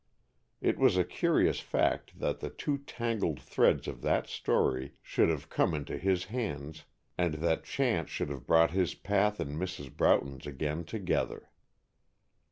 It was a curious fact that the two tangled threads of that story should have come into his hands and that chance should have brought his path and Mrs. Broughton's again together.